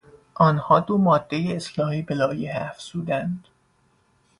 آنها دو مادهی اصلاحی به لایحه افزودند.